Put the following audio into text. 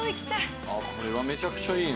「これはめちゃくちゃいいな」